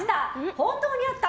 本当にあった！